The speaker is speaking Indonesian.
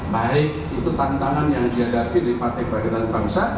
baik itu tantangan yang diadakan oleh partai keperagatan bangsa